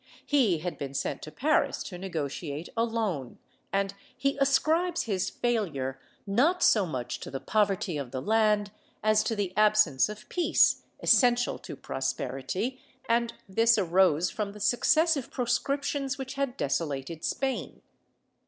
He had been sent to Paris to negotiate a loan, and he ascribes his failure, not so much to the poverty of the land, as to the absence of peace essential to prosperity, and this arose from the successive proscriptions which had desolated Spain.